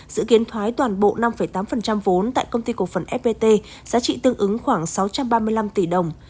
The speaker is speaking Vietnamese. dự kiến thoái toàn bộ năm tám vốn tại công ty cổ phần fpt giá trị tương ứng khoảng sáu trăm ba mươi năm tỷ đồng